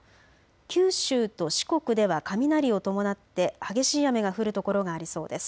九州と四国では雷を伴って激しい雨が降る所がありそうです。